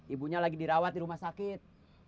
ibunya lagi dirawat di rumah sakit